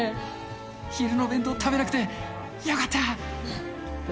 昼の弁当食べなくてよかった。